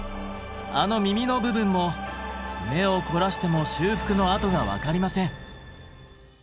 あの耳の部分も目を凝らしても修復の跡が分かりません。